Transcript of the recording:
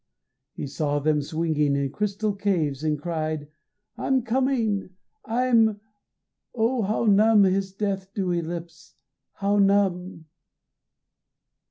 He saw them swinging In crystal caves, And cried, "I'm coming! I'm" ah, how numb His death dewy lips how numb!